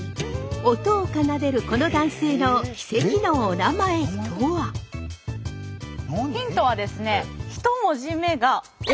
音を奏でるこの男性のヒントはですね音？